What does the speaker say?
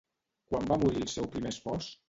Quan va morir el seu primer espòs?